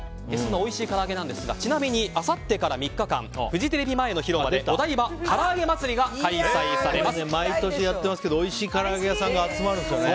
おいしいから揚げなんですがちなみにあさってから３日間フジテレビ前の広場でお台場からあげ祭が毎年やってますけどおいしいから揚げ屋さんが集まるんですよね。